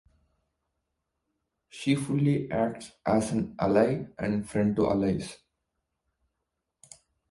She fully acts as an ally and friend to Alice.